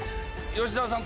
吉沢さん